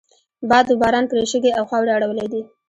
باد و باران پرې شګې او خاورې اړولی دي.